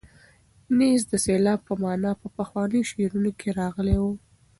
نیز د سیلاب په مانا په پخوانیو شعرونو کې راغلی دی.